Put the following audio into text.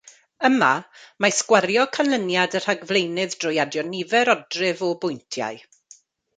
Yma, mae sgwario canlyniad y rhagflaenydd drwy adio nifer odrif o bwyntiau.